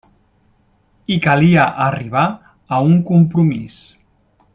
I calia arribar a un compromís.